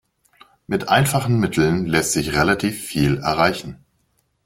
Mit einfachen Mitteln lässt sich relativ viel erreichen.